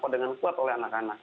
dengan kuat oleh anak anak